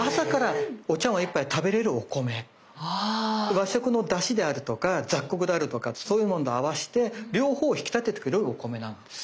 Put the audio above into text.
和食のだしであるとか雑穀であるとかそういうものと合わして両方を引き立ててくれるお米なのです。